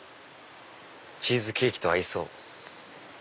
チーズケーキと合いそう！